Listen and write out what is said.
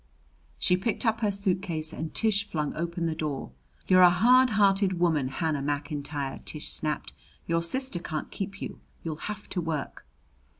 She picked up her suitcase and Tish flung open the door. "You're a hard hearted woman, Hannah Mackintyre!" Tish snapped. "Your sister can't keep you. You'll have to work."